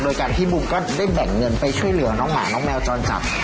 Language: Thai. โดยการที่บุมก็ได้แบ่งเงินไปช่วยเหลือน้องหมาน้องแมวจรจัด